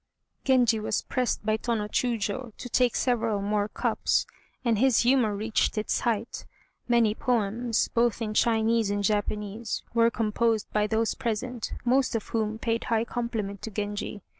Genji was pressed by Tô no Chiûjiô to take several more cups, and his humor reached its height. Many poems, both in Chinese and Japanese, were composed by those present, most of whom paid high compliment to Genji.